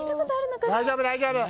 大丈夫大丈夫。